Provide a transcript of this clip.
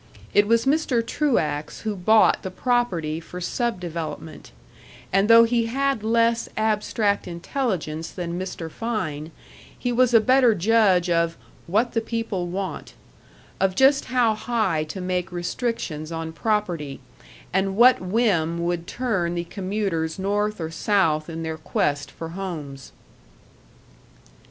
It was Mr. Truax who bought the property for sub development, and though he had less abstract intelligence than Mr. Fein, he was a better judge of "what the people want"; of just how high to make restrictions on property, and what whim would turn the commuters north or south in their quest for homes.